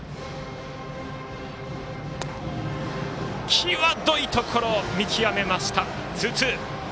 際どいところ見極めました、ツーツー！